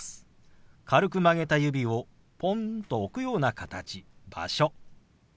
軽く曲げた指をポンと置くような形「場所」。